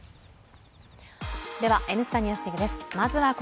では「Ｎスタ・ＮＥＷＳＤＩＧ」です。